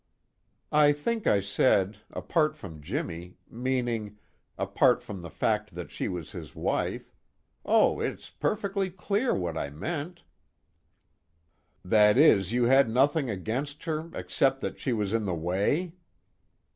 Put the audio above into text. "I think I said apart from Jimmy meaning apart from the fact that she was his wife oh, it's perfectly clear what I meant." "That is, you had nothing against her except that she was in the way?"